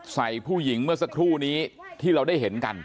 ใส่ผู้หญิงเมื่อสักครู่นี้ที่เราได้เห็นกัน